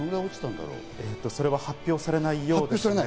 それは発表されないようですね。